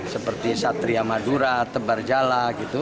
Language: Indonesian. seperti satria madura tebar jala gitu